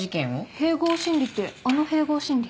併合審理ってあの併合審理？